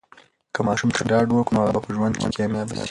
که ماشوم ته ډاډ ورکړو، نو هغه به په ژوند کې کامیاب سي.